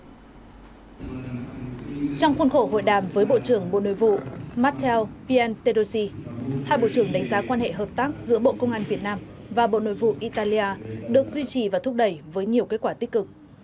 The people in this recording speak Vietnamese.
trong khuôn khổ hội đàm với bộ trưởng bộ nội vụ matteo pian tedosi hai bộ trưởng đánh giá quan hệ hợp tác giữa bộ công an việt nam và bộ nội vụ italia được duy trì và thúc đẩy với nhiều kết quả tích cực